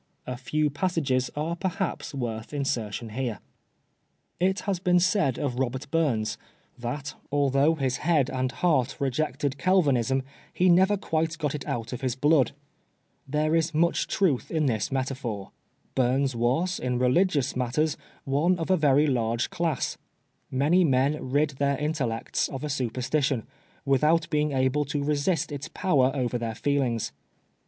A few passages are, perhaps, worth insertion here. It has been said of Bobert Buins that, although his head and 52 PBISONEB FOB BLASPHEMY. heart rejected Calvinism, he never quite got it out of his blood. There is much truth in this metaphor. Bums was, in religious matters, one of a verv large class. Many men rid their intellects of a superstition, without being able to resist its power over their feelmgs.